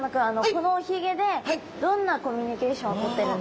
このおひげでどんなコミュニケーションをとってるんですか？